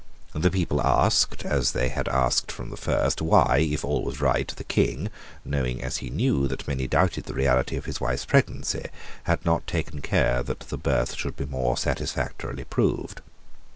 The people asked, as they had asked from the first, why, if all was right, the King, knowing, as he knew, that many doubted the reality of his wife's pregnancy, had not taken care that the birth should be more satisfactorily proved.